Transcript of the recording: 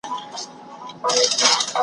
په دوس کلي کي مېلمه مشر وي